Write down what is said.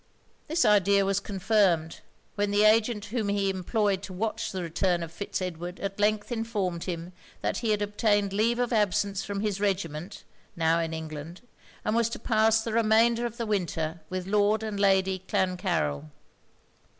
This idea was confirmed, when the agent whom he employed to watch the return of Fitz Edward at length informed him that he had obtained leave of absence from his regiment, now in England, and was to pass the remainder of the winter with Lord and Lady Clancarryl.